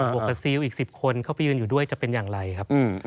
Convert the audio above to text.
วกกับซิลอีก๑๐คนเข้าไปยืนอยู่ด้วยจะเป็นอย่างไรครับ